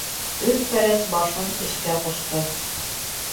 Өф-Фәләс башын эшкә ҡушты.